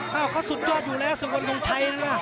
เขาสุดยอดอยู่แล้วส่วนคนตรงชัยนะ